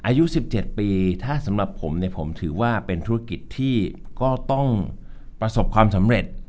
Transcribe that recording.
อายุ๑๗ปีถ้าสำหรับผมเนี่ยผมถือว่าเป็นธุรกิจที่ก็ต้องประสบความสำเร็จ